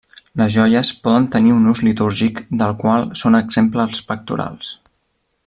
Les joies poden tenir un ús litúrgic, del qual són exemple els pectorals.